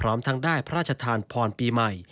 มาทางได้พระราชทานพรปีใหม่